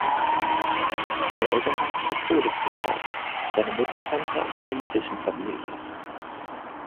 Seine Eltern waren katholisch getauft, seine Mutter stammte aus einer jüdischen Familie.